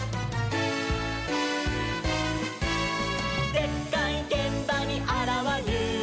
「でっかいげんばにあらわる！」